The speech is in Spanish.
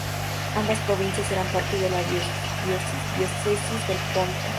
Ambas provincias eran parte de la diócesis del Ponto.